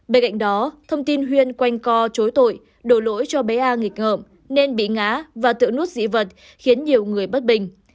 bên cạnh đó thông tin huyên quanh co chối tội đổ lỗi cho bé a nghịch ngợm nên bị ngã và tự nút dị vật khiến nhiều người bất bình